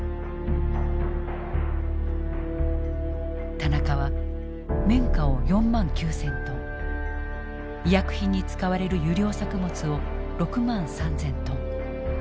田中は綿花を４万９，０００トン医薬品に使われる油料作物を６万３，０００トン。